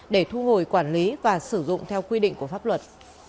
để thu hồi quản lý và sử dụng theo quy định của pháp luật